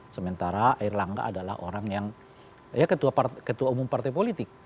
sementara air langga adalah orang yang ya ketua umum partai politik